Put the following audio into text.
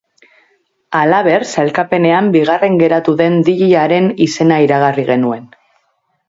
Halaber, sailkapenean bigarren geratu den dj-aren izena iragarri genuen.